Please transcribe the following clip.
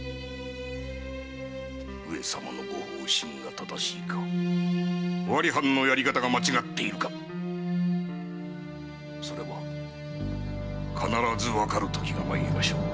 上様の御方針が正しいか尾張藩のやり方が間違っているかそれは必ずわかるときが参りましょう。